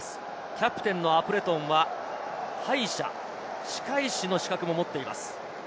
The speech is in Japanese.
キャプテンのアプレトンは歯医者、歯科医師の資格も持っています。